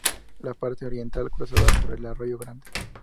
La parte oriental cruzada por el Arroyo Grande.